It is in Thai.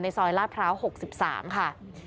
ซอยลาดพร้าว๖๓ค่ะ